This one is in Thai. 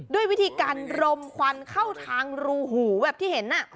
ด้วยวิธีการรมควันเข้าทางรูหูแบบที่เห็น